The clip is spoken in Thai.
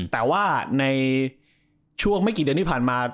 แต่ว่าในช่วงไม่กี่เดือนที่ผ่านมา